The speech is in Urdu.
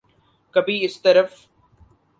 کبھی اس طرف۔